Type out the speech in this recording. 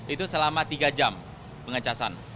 itu selama tiga jam pengecasan